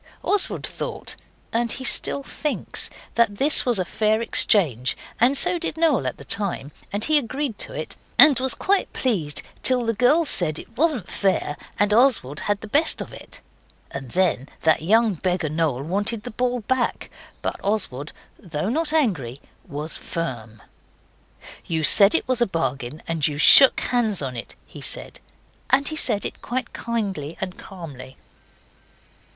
Oswald thought, and he still thinks, that this was a fair exchange, and so did Noel at the time, and he agreed to it, and was quite pleased till the girls said it wasn't fair, and Oswald had the best of it. And then that young beggar Noel wanted the ball back, but Oswald, though not angry, was firm. 'You said it was a bargain, and you shook hands on it,' he said, and he said it quite kindly and calmly.